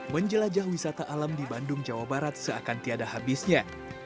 menjelajah wisata alam di bandung jawa barat seakan tiada habisnya